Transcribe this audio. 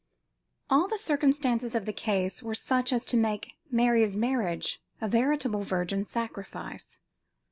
All the circumstances of the case were such as to make Mary's marriage a veritable virgin sacrifice.